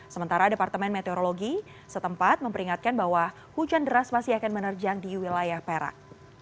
sementara departemen meteorologi setempat memperingatkan bahwa hujan deras masih akan menerjang di wilayah perak